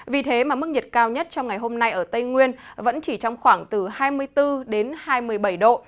vì thế mà mức nhiệt cao nhất trong ngày hôm nay ở tây nguyên vẫn chỉ trong khoảng từ hai mươi bốn đến hai mươi bảy độ